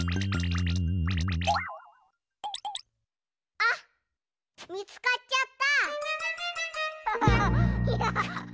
あっみつかっちゃった！